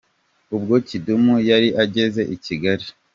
Ubwo Kidum yari ageze i Kigali.